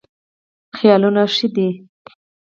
خیالونه ښه دي.